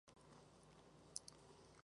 Esta geófita crece en suelos calcáreos.